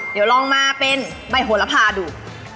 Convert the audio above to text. เดี๋ยวลองมาเป็นใบโหระพาดู